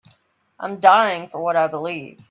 I'm dying for what I believe.